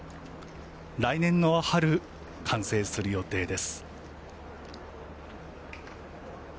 来年の春、完成する予定です。